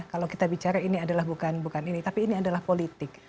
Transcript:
kalau kita bicara ini adalah bukan ini tapi ini adalah politik